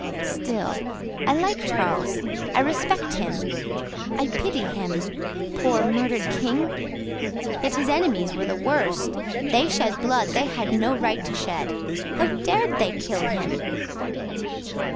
Still, I like Charles—I respect him—I pity him, poor murdered king! Yes, his enemies were the worst: they shed blood they had no right to shed. How dared they kill him!"